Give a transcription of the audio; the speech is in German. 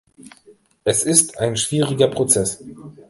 Es ist ein schwieriger Prozess.